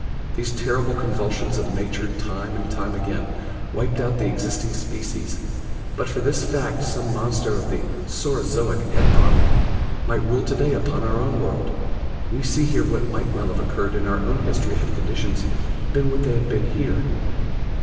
These terrible convulsions of nature time and time again wiped out the existing species but for this fact some monster of the Saurozoic epoch might rule today upon our own world. We see here what might well have occurred in our own history had conditions been what they have been here.